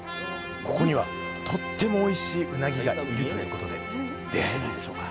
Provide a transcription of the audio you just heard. ここにはとってもおいしいうなぎがいるということで出会えるんでしょうか。